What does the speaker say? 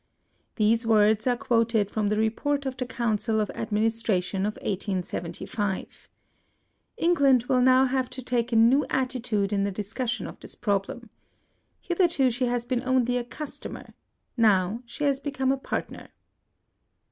'' These words are quoted from the report of the Council of Administration of 1875. England will now have to take a X PREFACE. new attitude in the discussion of this prob lem. Hitherto she has been only a cus tomer — ^now she has become a partner.